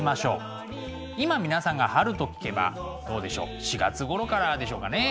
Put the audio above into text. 今皆さんが春と聞けばどうでしょう４月ごろからでしょうかね。